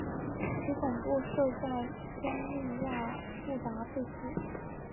其总部设在匈牙利布达佩斯。